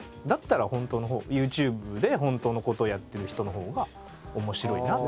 だったらＹｏｕＴｕｂｅで本当のことをやってる人の方が面白いなって。